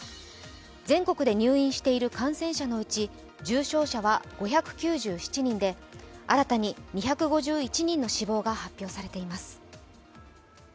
全国で入院している感染者のうち、重症者は５９７人で新たに２５１人の死亡が発表されています。